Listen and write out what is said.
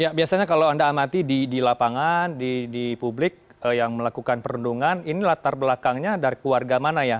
ya biasanya kalau anda amati di lapangan di publik yang melakukan perundungan ini latar belakangnya dari keluarga mana ya